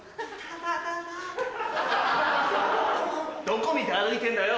どこ見て歩いてんだよ！